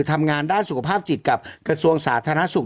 ทำงานด้านสุขภาพจิตกับกระทรวงสาธารณสุข